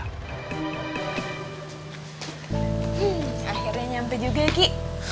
hmm akhirnya nyampe juga ki